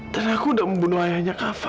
dan aku udah membunuh ayahnya kafa